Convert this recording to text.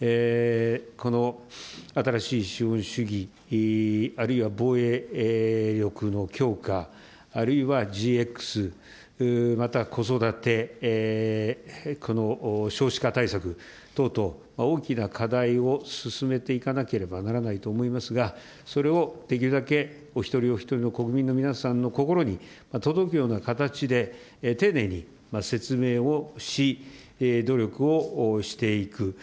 この新しい資本主義、あるいは防衛力の強化、あるいはＧＸ、また子育て・少子化対策等々、大きな課題を進めていかなければならないと思いますが、それをできるだけお一人お一人の国民の皆さんの心に届くような形で丁寧に説明をし、努力をしていく。